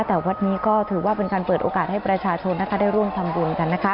แต่วัดนี้ก็ถือว่าเป็นการเปิดโอกาสให้ประชาชนนะคะได้ร่วมทำบุญกันนะคะ